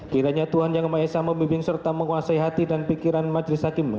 kiranya tuhan yang maha esa membimbing serta menguasai hati dan pikiran majelis hakim